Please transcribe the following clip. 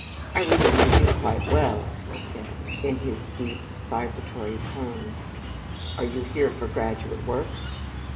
"I remember you quite well," he said in his deep, vibratory tones. "Are you here for graduate work?"